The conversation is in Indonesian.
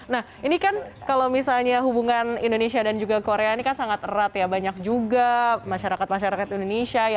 nah ini kan kalau misalnya hubungan indonesia dan juga korea ini kan sangat erat ya banyak juga masyarakat masyarakat indonesia